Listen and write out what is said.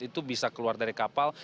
itu bisa keluar dari kapal